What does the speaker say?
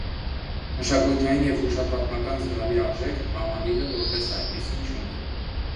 Մշակութային և հուշապատմական զգալի արժեք համալիրը, որպես այդպիսին, չունի։